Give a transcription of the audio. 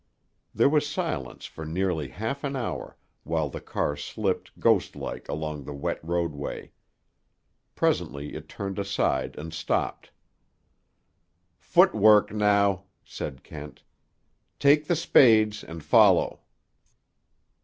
There was silence for nearly half an hour, while the car slipped, ghostlike, along the wet roadway. Presently it turned aside and stopped. "Foot work now," said Kent. "Take the spades and follow."